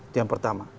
itu yang pertama